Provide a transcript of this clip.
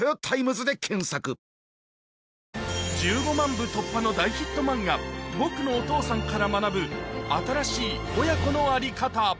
部突破の大ヒット漫画、ぼくのお父さんから学ぶ、新しい親子のあり方。